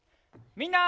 みんな！